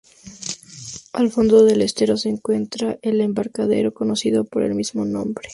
Al fondo del estero se encuentra el embarcadero conocido por el mismo nombre.